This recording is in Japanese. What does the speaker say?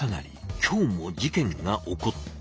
今日も事件が起こった。